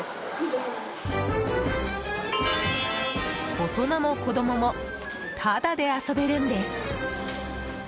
大人も子供もタダで遊べるんです！